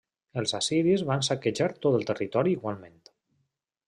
Els assiris van saquejar tot el territori igualment.